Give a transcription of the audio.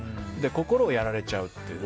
心をやられちゃうという。